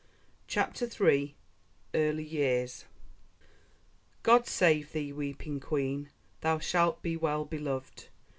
CHAPTER III: Early Years God save thee, weeping Queen! Thou shalt be well beloved!